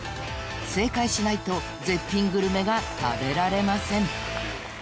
［正解しないと絶品グルメが食べられません］